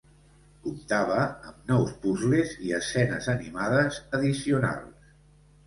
Comptava amb nous puzles i escenes animades addicionals.